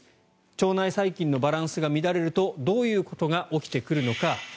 腸内細菌のバランスが乱れるとどういうことが起きてくるのか。